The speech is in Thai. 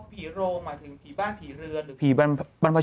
พี่โรงอ่ะถึงผีบ้านผีเรือน